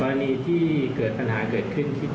อย่างกรณีนี้ก็เป็นปัญหาในระบบ